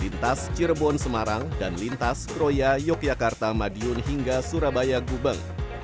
lintas cirebon semarang dan lintas kroya yogyakarta madiun hingga surabaya gubeng